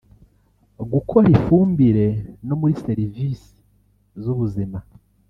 gukora ifumbire no muri servisi z’ubuzima